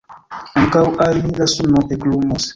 Ankaŭ al ni la suno eklumos.